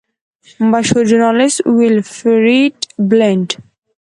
مشهور ژورنالیسټ ویلفریډ بلنټ.